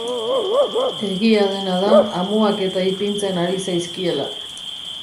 Egia dena da amuak-eta ipintzen ari zaizkiela.